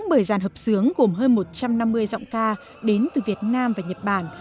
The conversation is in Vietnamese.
bảy dàn hợp sướng gồm hơn một trăm năm mươi giọng ca đến từ việt nam và nhật bản